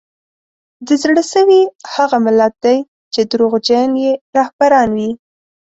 د زړه سوي هغه ملت دی چي دروغجن یې رهبران وي